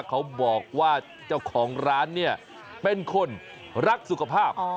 เขาบอกว่าเจ้าของร้านเนี่ยเป็นคนรักสุขภาพ